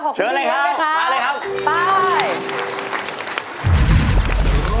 ขอบคุณทุกคนนะครับขอบคุณทุกคนนะครับเชิญเลยครับมาเลยครับ